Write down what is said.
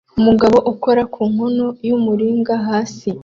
Umugabo ukora ku nkono y'umuringa hasi